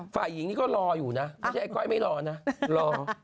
ฝ่ายหญิงนี่ก็รออยู่นะไม่ใช่ไอ้ก้อยไม่รอนะรอ